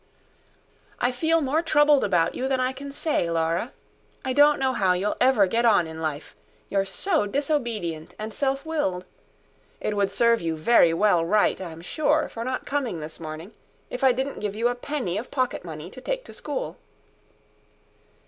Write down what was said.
"I feel more troubled about you than I can say, Laura. I don't know how you'll ever get on in life you're so disobedient and self willed. It would serve you very well right, I'm sure, for not coming this morning, if I didn't give you a penny of pocket money to take to school."